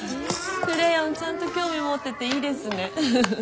クレヨンちゃんと興味持ってていいですね。